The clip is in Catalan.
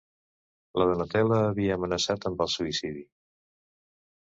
La Donatella havia amenaçat amb el suïcidi.